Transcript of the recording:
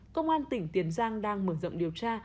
công an tỉnh tiền giang đang mở rộng điều tra